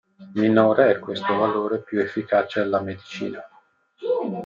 Minore è questo valore più efficace è la medicina.